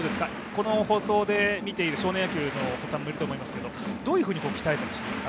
この放送で見ている少年野球のお子さんもいると思いますけどどういうふうに鍛えたりしますか？